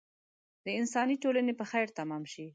د انساني ټولنې په خیر تمام شي.